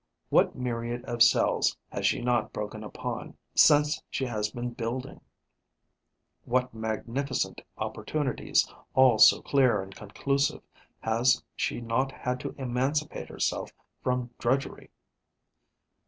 What myriads of cells has she not broken open since she has been building; what magnificent opportunities, all so clear and conclusive, has she not had to emancipate herself from drudgery!